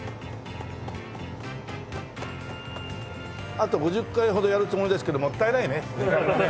あと５０回ほどやるつもりですけどもったいないね時間がね。